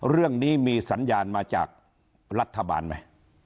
เรื่องนี้มีสัญญาณมาจากรัฐบาลไหม